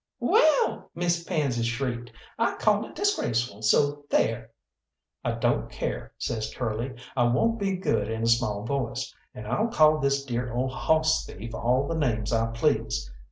"Well," Miss Pansy shrieked, "I call it disgraceful, so there!" "I don't care," says Curly. "I won't be good in a small voice, and I'll call this dear ole hoss thief all the names I please.